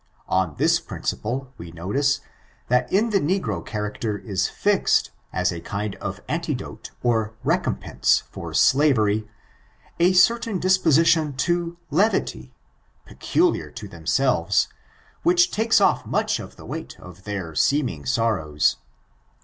On this principle, we notice, that in the n^ro char acter is fixed, as a kind of antidote or recompense for slavery, a certain disposition to leviiyy peculiar to themselves, which takes off much of the weight of their seeming sorrows.